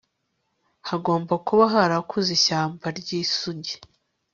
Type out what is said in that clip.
Hagomba kuba harakuze ishyamba ryisugi